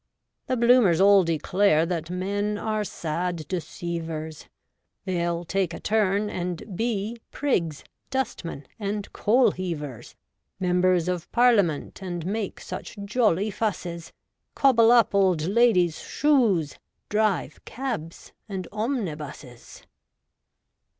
The Bloomers all declare That men are sad deceivers; They'll take a turn, and be Prigs, dustmen, and coalheavers — Members of Parliament, And make such jolly fusses; Cobble up old ladies' shoes ; Drive cabs and omnibuses.